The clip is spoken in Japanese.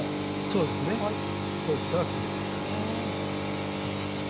そうですね大きさは決めて頂ければ。